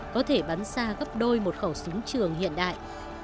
có thể bắn xa gấp đôi một khẩu súng trường hiện đại